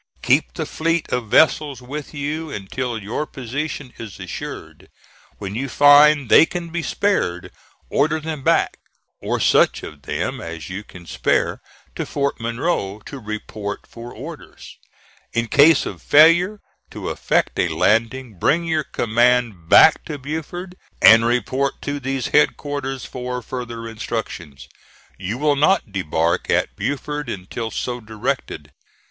"Keep the fleet of vessels with you until your position is assured. When you find they can be spared, order them back, or such of them as you can spare, to Fort Monroe, to report for orders. "In case of failure to effect a landing, bring your command back to Beaufort, and report to these headquarters for further instructions. You will not debark at Beaufort until so directed.